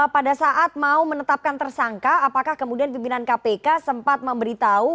pada saat mau menetapkan tersangka apakah kemudian pimpinan kpk sempat memberitahu